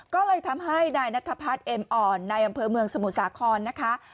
ก็เลยทำให้นายนัทพัฒน์เอ็มอ่อนในอำเภอเมืองสมุทรสาครนะคะ